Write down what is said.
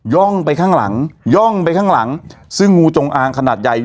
่องไปข้างหลังย่องไปข้างหลังซึ่งงูจงอางขนาดใหญ่